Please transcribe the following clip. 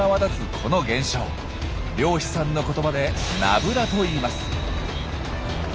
この現象漁師さんの言葉で「ナブラ」といいます。